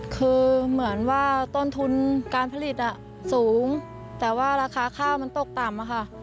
คือเหมือนว่าต้นทุนการผลิตสูงแต่ว่าราคาข้าวมันตกต่ำอะค่ะ